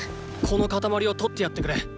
このカタマリを取ってやってくれ。